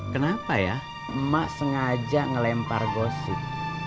kenapa ya emak sengaja ngelempar gosip